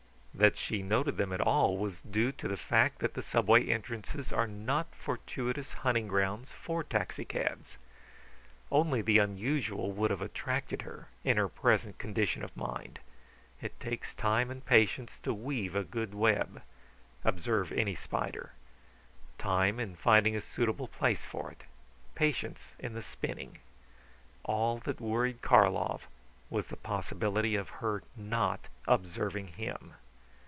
That she noted them at all was due to the fact that Subway entrances were not fortuitous hunting grounds for taxicabs. Only the unusual would have attracted her in her present condition of mind. It takes time and patience to weave a good web observe any spider time in finding a suitable place for it; patience in the spinning. All that worried Karlov was the possibility of her not observing him.